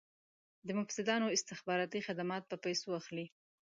د مفسدانو استخباراتي خدمات په پیسو اخلي.